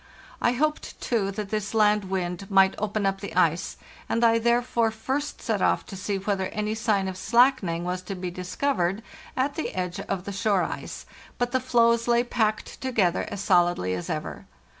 I hoped, too, that this land wind might open up the ice, and I therefore first set off to see whether any sign of slackening was to be discovered at the edge of the shore ice; but the floes lay packed together as solidly as ever.